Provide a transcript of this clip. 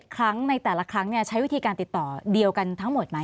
ครั้งในแต่ละครั้งใช้วิธีการติดต่อเดียวกันทั้งหมดไหม